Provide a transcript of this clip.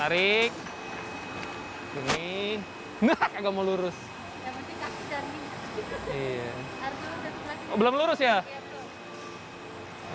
dua kertas yang dimasukkan ke mesin sablon juga jangan sampai ada lipatan sama sekali